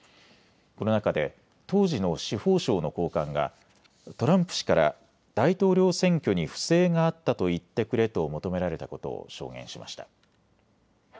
この中で当時の司法省の高官がトランプ氏から大統領選挙に不正があったと言ってくれと求められたことを証言しました。